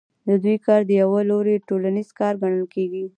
د دوی کار له یوه لوري ټولنیز کار ګڼل کېږي